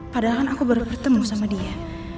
padahal kan aku baru bertemu sama dia